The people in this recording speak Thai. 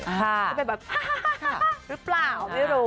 จะเป็นแบบหรือเปล่าไม่รู้